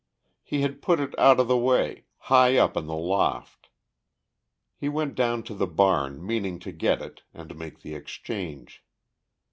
He had put it out of the way, high up in the loft. He went down to the barn meaning to get it and make the exchange.